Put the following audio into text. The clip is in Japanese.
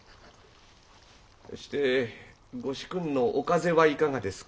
して御主君のお風邪はいかがですか？